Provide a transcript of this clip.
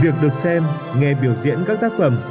việc được xem nghe biểu diễn các tác phẩm